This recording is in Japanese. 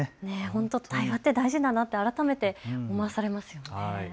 本当に対話って大事だなって改めて思わされますよね。